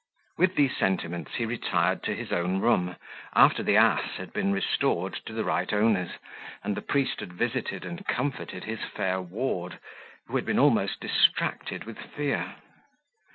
With these sentiments he retired to his own room, after the ass had been restored to the right owners, and the priest had visited and comforted his fair ward, who had been almost distracted with fear.